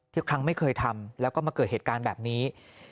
ทุกครั้งไม่เคยทำแล้วก็มาเกิดเหตุการณ์แบบนี้